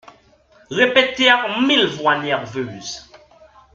Répétèrent mille voix nerveuses.